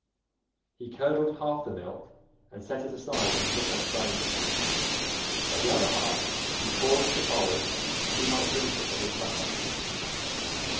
He curdled half the milk and set it aside in wicker strainers, but the other half he poured into bowls that he might drink it for his supper.